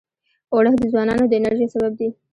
اوړه د ځوانانو د انرژۍ سبب دي